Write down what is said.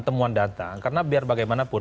temuan datang karena biar bagaimanapun